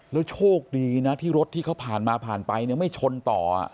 แล้วโชคดีนะที่รถที่เขาผ่านมาผ่านไปเนี่ยไม่ชนต่อ